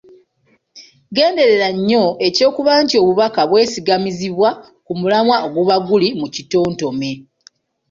Genderera nnyo eky’okuba nti obubaka bwesigamizibwa ku mulamwa oguba guli mu kitontome.